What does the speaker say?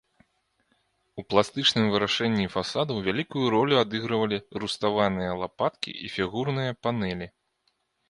У пластычным вырашэнні фасадаў вялікую ролю адыгрывалі руставаныя лапаткі і фігурныя панэлі.